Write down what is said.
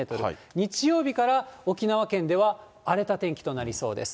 日曜日から沖縄県では荒れた天気となりそうです。